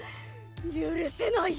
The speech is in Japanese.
許せない！